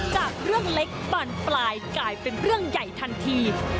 จากเรื่องเล็กบานปลายกลายเป็นเรื่องใหญ่ทันที